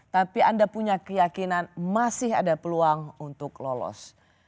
tapi anda punya keyakinan masih ada peluang untuk lolos